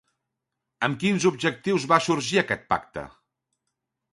Amb quins objectius va sorgir aquest pacte?